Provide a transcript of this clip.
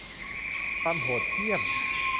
ความโหดเหี้ยม